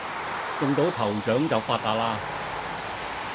中到頭獎就發達喇